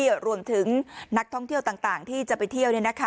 รวมถึงนักท่องเที่ยวต่างที่จะไปเที่ยว